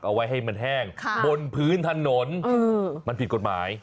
เอาไว้ให้มันแห้งบนพื้นถนนมันผิดกฎหมาย